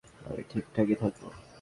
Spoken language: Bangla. আমি ঠিকঠাকই থাকব!